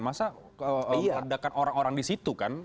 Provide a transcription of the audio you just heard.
masa ledakan orang orang di situ kan